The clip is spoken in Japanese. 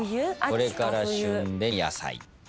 これから旬で野菜。